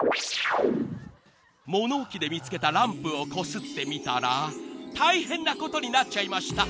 ［物置で見つけたランプをこすってみたら大変なことになっちゃいました！］